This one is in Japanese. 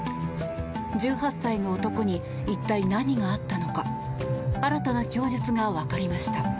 １８歳の男に一体何があったのか新たな供述が分かりました。